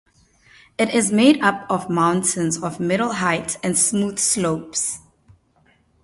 It is made up of mountains of middle height and smooth slopes.